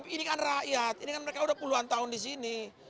ini kan rakyat ini kan mereka udah puluhan tahun di sini